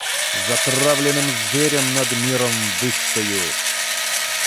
Затравленным зверем над миром выстою.